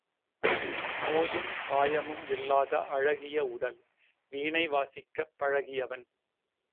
நோயும் காயமும் இல்லாத அழகிய உடல், வீணை வாசிக்கப் பழகியவன்.